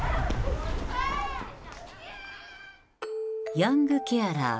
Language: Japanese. ヤングケアラー。